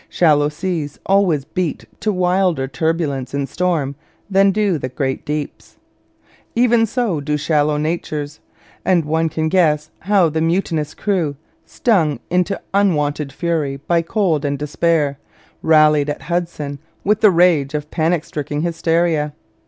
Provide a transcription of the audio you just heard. Shallow seas always beat to wilder turbulence in storm than do the great deeps. Even so do shallow natures, and one can guess how the mutinous crew, stung into unwonted fury by cold and despair, railed at Hudson with the rage of panic stricken hysteria.